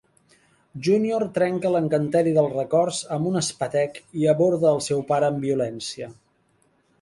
Junior trenca l'encanteri dels records amb un espetec i aborda al seu pare amb violència.